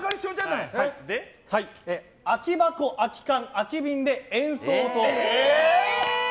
空き箱、空き缶、空き瓶で演奏。